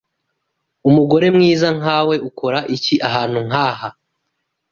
Umugore mwiza nkawe ukora iki ahantu nkaha?